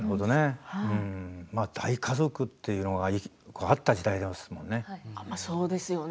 大家族というのがあった時代ですもんね。